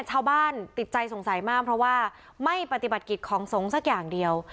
ชาวบ้านติดใจสงสัยมากเพราะว่าไม่ปฏิบัติกิจของสงฆ์สักอย่างเดียว